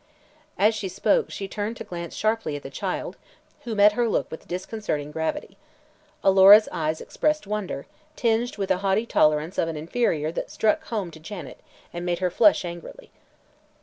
As she spoke she turned to glance sharply at the child, who met her look with disconcerting gravity. Alora's eyes expressed wonder, tinged with a haughty tolerance of an inferior that struck home to Janet and made her flush angrily.